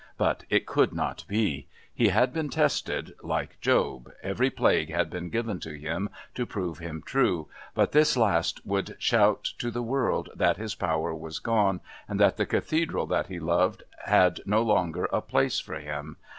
But it could not be. He had been tested; like Job, every plague had been given to him to prove him true, but this last would shout to the world that his power was gone and that the Cathedral that he loved had no longer a place for him.